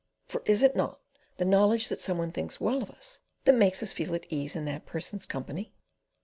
For is it not the knowledge that some one thinks well of us that makes us feel at ease in that person's company?